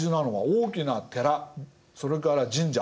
大きな寺それから神社。